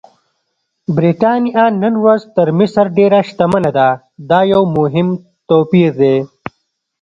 برېټانیا نن ورځ تر مصر ډېره شتمنه ده، دا یو مهم توپیر دی.